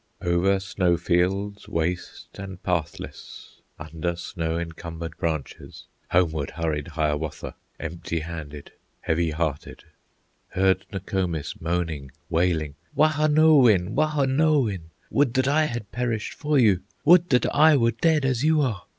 Over snow fields waste and pathless, Under snow encumbered branches, Homeward hurried Hiawatha, Empty handed, heavy hearted, Heard Nokomis moaning, wailing: "Wahonowin! Wahonowin! Would that I had perished for you, Would that I were dead as you are!